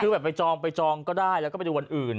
คือแบบไปจองไปจองก็ได้แล้วก็ไปดูวันอื่น